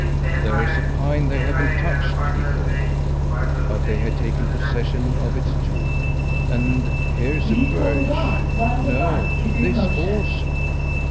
"There's a pine they haven't touched," he thought. But they had taken possession of it, too. "And here's a birch no, this also!